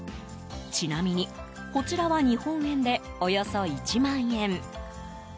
ちなみに、こちらは日本円でおよそ１万円。